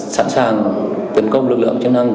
sẵn sàng tấn công lực lượng chức năng